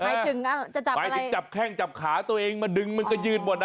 หมายถึงจับแข้งจับขาตัวเองมาดึงมันก็ยืดหมดนะ